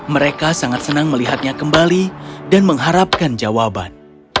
mereka sangat senang melihatnya kembali dan mengharapkan jawaban